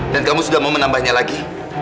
dan kamu sudah mau menambahnya lagi